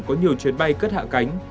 có nhiều chuyến bay cất hạ cánh